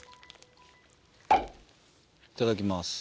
いただきます。